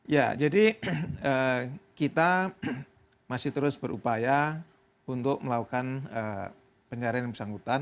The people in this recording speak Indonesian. ya jadi kita masih terus berupaya untuk melakukan pencarian yang bersangkutan